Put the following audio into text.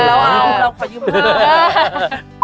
เออเราขอยืมเพิ่ม